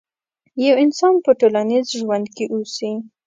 يو انسان په ټولنيز ژوند کې اوسي.